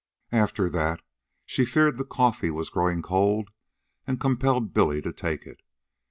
After that she feared the coffee was growing cold and compelled Billy to take it.